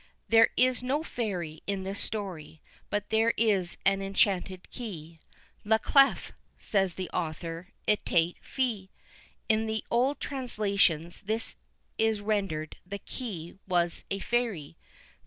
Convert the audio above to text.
There is no fairy in this story, but there is an enchanted key. "La clef," says the author, "etait fée." In the old translations this is rendered "the key was a fairy."